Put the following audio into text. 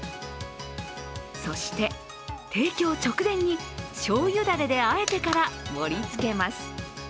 そして提供直前にしょうゆだれであえてから盛りつけます。